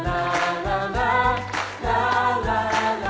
ララララ